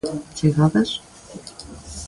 Chegadas?